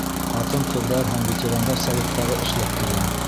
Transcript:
Ҡатын-ҡыҙҙар һәм ветерандар советтары эшләп килә.